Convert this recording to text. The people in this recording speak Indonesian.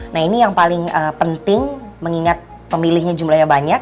nah ini yang paling penting mengingat pemilihnya jumlahnya banyak